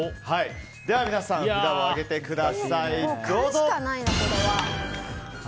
では皆さん、札を上げてください。